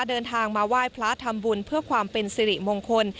เดินทางมาไหว้พระทำบุญเพื่อความเป็นสิริมงคล